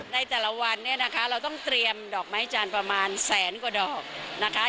ในแต่ละวันเนี่ยนะคะเราต้องเตรียมดอกไม้จันทร์ประมาณแสนกว่าดอกนะคะ